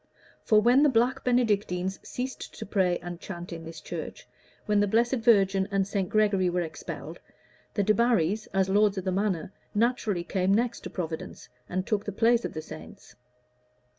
For when the black Benedictines ceased to pray and chant in this church, when the Blessed Virgin and St. Gregory were expelled, the Debarrys, as lords of the manor, naturally came next to Providence and took the place of the saints.